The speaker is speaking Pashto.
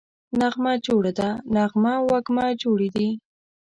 نغمه جوړه ده → نغمه او وږمه جوړې دي